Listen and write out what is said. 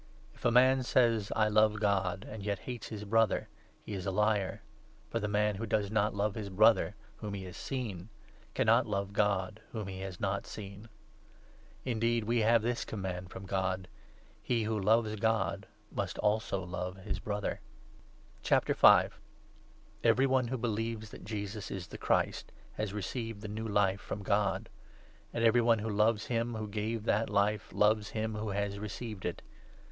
If a man says ' I love God,' and 20 yet hates his Brother, he is a liar ; for the man who does not love his Brother, whom he has seen, cannot love God, whom he has not seen. Indeed, we have this Command from God — 21 ' He who loves God must also love his Brother.' VI.— A CHRISTIAN'S FAITH AND CONFIDENCE. Every one who believes that Jesus is the Christ i Faith. ^as recejvecj fae new Life from God ; and every one who loves him who gave that Life loves him who has received it.